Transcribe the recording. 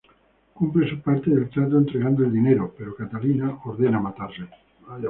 Cumple su parte del trato entregando el dinero, pero Catalina ordena matarle.